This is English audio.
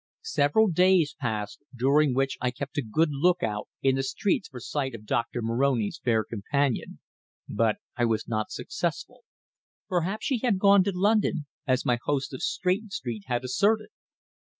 Several days passed, during which I kept a good look out in the streets for sight of Doctor Moroni's fair companion. But I was not successful. Perhaps she had gone to London, as my host of Stretton Street had asserted!